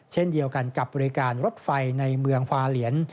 เช่นเดียวกันกับบริการรถไฟในเมืองฟาเหลียน